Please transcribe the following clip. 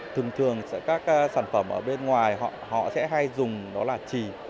thường thường các sản phẩm ở bên ngoài họ sẽ hay dùng đó là chỉ